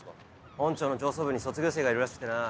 本庁の上層部に卒業生がいるらしくてなぁ。